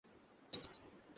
ওরা শুনবে তোমার মনে হয়?